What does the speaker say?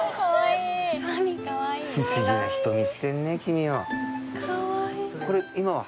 不思議な瞳してるね君は。